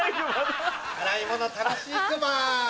洗い物楽しいクマ。